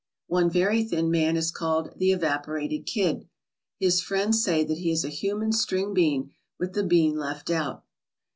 One very thin man is called "the Evaporated Kid." His friends say that he is a human string bean with the bean left out.